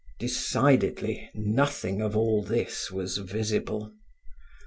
Decidedly nothing of all this was visible.